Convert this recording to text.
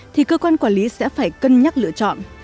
thì chúng ta sẽ phải cân nhắc lựa chọn